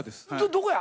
どこや？